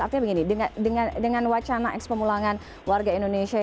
artinya begini dengan wacana eks pemulangan warga indonesia